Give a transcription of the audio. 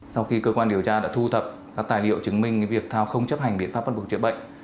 sau khi cơ quan điều tra đã thu thập các tài liệu chứng minh việc thao không chấp hành biện pháp bắt buộc chữa bệnh